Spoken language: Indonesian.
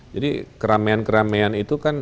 jadi keramean keramean itu kan